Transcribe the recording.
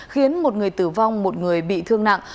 khiến một người tử vong một người bị thương nặng